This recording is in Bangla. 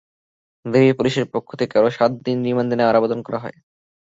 ডিবি পুলিশের পক্ষ থেকে আরও সাত দিন রিমান্ডে নেওয়ার আবেদন করা হয়।